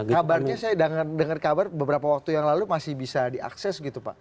kabarnya saya dengar kabar beberapa waktu yang lalu masih bisa diakses gitu pak